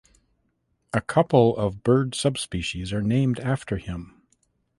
A couple of bird subspecies are named after him.